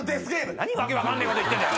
何訳分かんねえこと言ってんだよ！